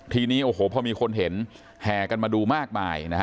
ทีนี้โอ้โหพอมีคนเห็นแห่กันมาดูมากมายนะฮะ